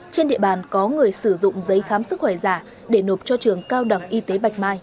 trên địa bàn có người sử dụng giấy khám sức khỏe giả để nộp cho trường cao đoàn